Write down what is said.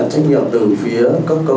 chúng ta phải có giá